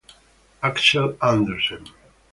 Axel Andersen